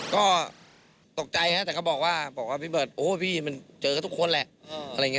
ก็ตกใจครับแต่เขาบอกว่าพี่โรเบิร์ตโอ้โฮพี่มันเจอกับทุกคนแหละ